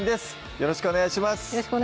よろしくお願いします